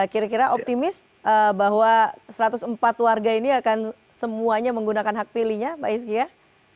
kira kira optimis bahwa satu ratus empat warga ini akan semuanya menggunakan hak pilihnya pak isg ya